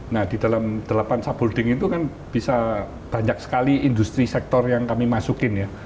nah di dalam delapan subholding itu kan bisa banyak sekali industri sektor yang kami masukin ya